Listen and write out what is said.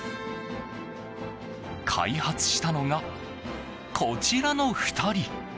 開発したのがこちらの２人。